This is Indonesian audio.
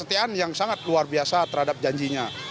pengertian yang sangat luar biasa terhadap janjinya